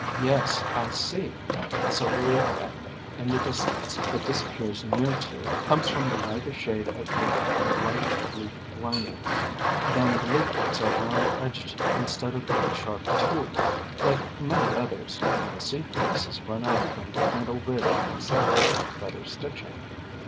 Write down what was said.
Yes, I see. . The silvery effect in the distance that disappears near to, comes from the whit ish shade of green and the light leaf lining. Then the leaflets are round edged instead of being 2O6 THE FANTASIES OF FERNS sharp toothed, like many others, and the seed cases run out from the middle ridge exactly like feather stitching.